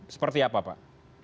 seperti apa pak